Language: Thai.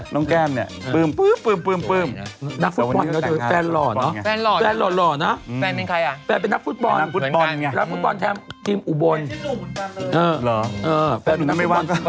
น้องแก้มเนี่ยปลื้มปลื้ม